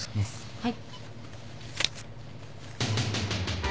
はい。